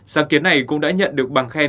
sáng kiến này cũng đã nhận được bằng khen